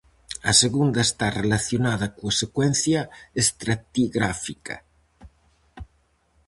A segunda está relacionada coa secuencia estratigráfica.